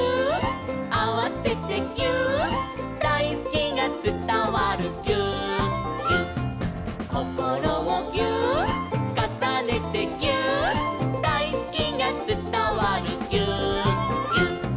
「あわせてぎゅーっ」「だいすきがつたわるぎゅーっぎゅっ」「こころをぎゅーっ」「かさねてぎゅーっ」「だいすきがつたわるぎゅーっぎゅっ」